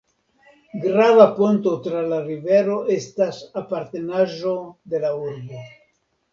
Grava ponto tra la rivero estas apartenaĵo de la urbo.